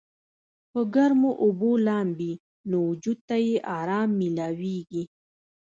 پۀ ګرمو اوبو لامبي نو وجود ته ئې ارام مېلاويږي